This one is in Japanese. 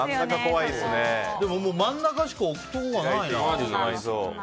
でも、真ん中しか置くところがないな。